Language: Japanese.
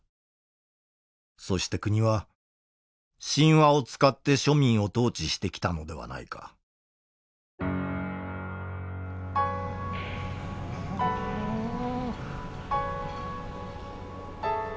そして国は神話を使って庶民を統治してきたのではないかうん。